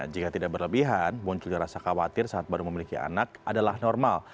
jika tidak berlebihan munculnya rasa khawatir saat baru memiliki anak adalah normal